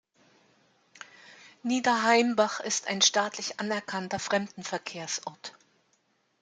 Niederheimbach ist ein staatlich anerkannter Fremdenverkehrsort.